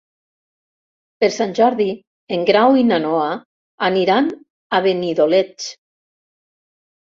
Per Sant Jordi en Grau i na Noa aniran a Benidoleig.